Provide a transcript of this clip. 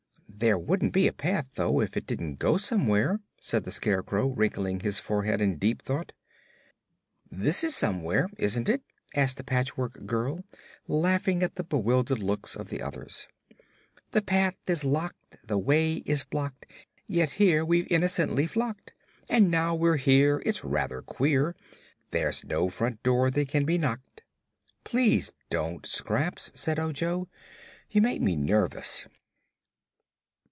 "There wouldn't be a path, though, if it didn't go somewhere," said the Scarecrow, wrinkling his forehead in deep thought. "This is somewhere, isn't it?" asked the Patchwork Girl, laughing at the bewildered looks of the others. "The path is locked, the way is blocked, Yet here we've innocently flocked; And now we're here it's rather queer There's no front door that can be knocked." "Please don't, Scraps," said Ojo. "You make me nervous."